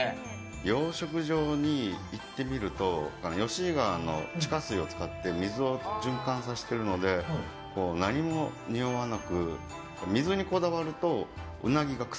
養殖場に行ってみると吉井川の地下水を使ってる水を循環させているので何もにおわなく。